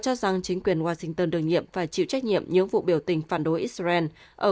cho rằng chính quyền washington được nhiệm và chịu trách nhiệm những vụ biểu tình phản đối israel ở